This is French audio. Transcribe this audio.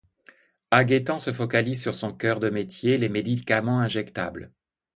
Aguettant se focalise sur son cœur de métier, les médicaments injectables.